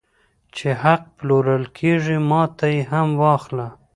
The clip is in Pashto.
چې حق پلورل کېږي ماته یې هم واخله